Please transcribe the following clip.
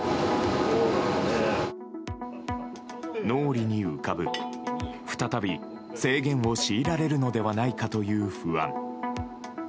脳裏に浮かぶ再び制限を強いられるのではないかという不安。